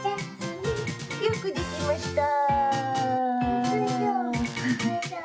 よくできました。